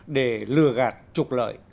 để lừa gạt trục lợi